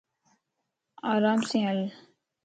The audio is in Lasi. آرام سين ھل